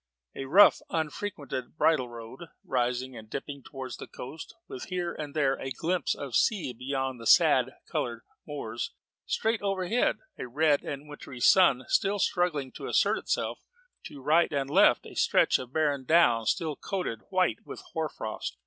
] A rough, unfrequented bridle road rising and dipping towards the coast, with here and there a glimpse of sea beyond the sad coloured moors: straight overhead, a red and wintry sun just struggling to assert itself: to right and left, a stretch of barren down still coated white with hoar frost.